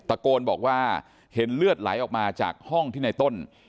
ตะโกนบอกว่าเห็นเลือดไหลออกมาจากห้องที่ในต้น